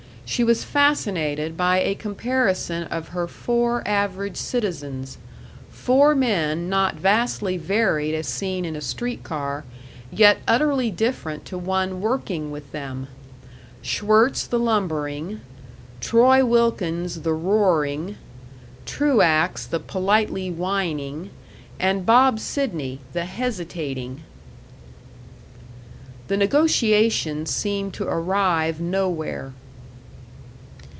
She was fascinated by a comparison of her four average citizens four men not vastly varied as seen in a street car, yet utterly different to one working with them: Schwirtz, the lumbering; Troy Wilkins, the roaring; Truax, the politely whining; and Bob Sidney, the hesitating. The negotiations seemed to arrive nowhere.